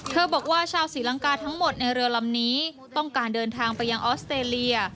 บอกว่าชาวศรีลังกาทั้งหมดในเรือลำนี้ต้องการเดินทางไปยังออสเตรเลีย